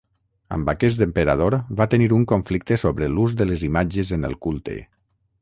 Amb aquest emperador va tenir un conflicte sobre l'ús de les imatges en el culte.